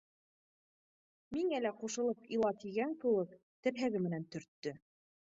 — Миңә лә ҡушылып ила тигән кеүек, терһәге менән төрттө.